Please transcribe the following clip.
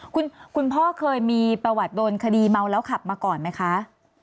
คุณพ่อเคยมีประวัติโดนคดีเมาแล้วขับมาก่อนไหมคะ